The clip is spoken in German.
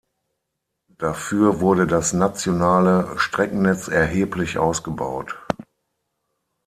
Dafür wurde das nationale Streckennetz erheblich ausgebaut.